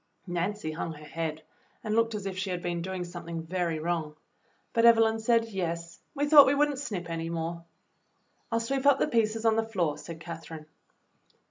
Nancy hung her head and looked as if she had been doing something very wrong, but Evelyn said, "Yes, we thought we would n't snip any more." "I 'II sweep up the pieces on the floor," said Cather ine.